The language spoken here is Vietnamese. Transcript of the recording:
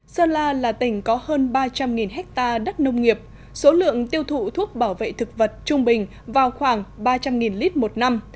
sơn la là tỉnh có hơn ba trăm linh ha đất nông nghiệp số lượng tiêu thụ thuốc bảo vệ thực vật trung bình vào khoảng ba trăm linh lít một năm